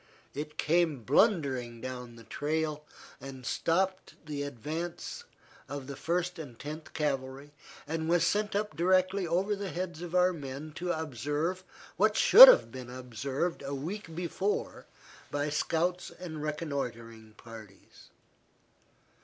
It came blundering down the trail, and stopped the advance of the First and Tenth Cavalry, and was sent up directly over the heads of our men to observe what should have been observed a week before by scouts and reconnoitring parties.